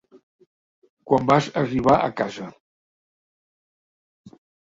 Quan vas arribar a casa.